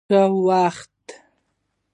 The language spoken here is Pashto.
ښه وخت.